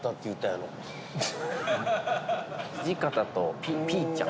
土方とピーちゃん。